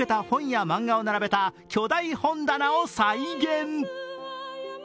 本や漫画を並べた巨大本棚を再現。